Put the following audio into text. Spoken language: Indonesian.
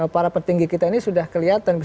para petinggi kita ini sudah kelihatan